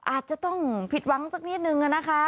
อาจจะต้องผิดหวังสักนิดนึงนะคะ